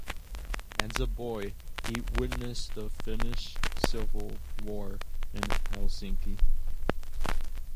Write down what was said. As a boy, he witnessed the Finnish Civil War in Helsinki.